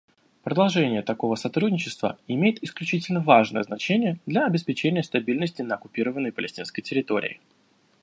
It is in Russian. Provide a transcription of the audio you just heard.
Продолжение такого сотрудничества имеет исключительно важное значение для обеспечения стабильности на оккупированной палестинской территории.